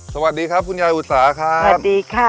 สวัสดีครับคุณยายอุตสาครับสวัสดีค่ะ